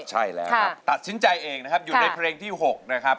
ใช่แล้วครับตัดสินใจเองนะครับอยู่ในเพลงที่๖นะครับ